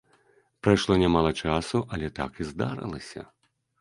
Прайшло нямала часу, але так і здарылася!